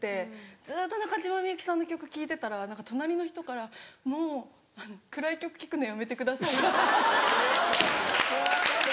ずっと中島みゆきさんの曲聴いてたら隣の人から「もう暗い曲聴くのやめてください」って。